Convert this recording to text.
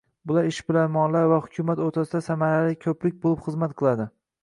Bu ishbilarmonlar va hukumat o'rtasida samarali ko'prik bo'lib xizmat qiladi